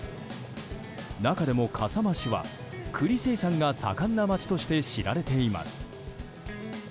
中でも笠間市は栗生産が盛んな街として知られています。